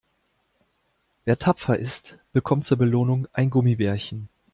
Wer tapfer ist, bekommt zur Belohnung ein Gummibärchen.